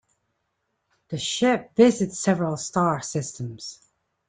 The ship visits several star systems.